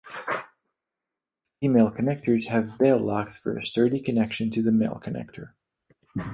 Female connectors have bail locks for a sturdy connection to the male connector.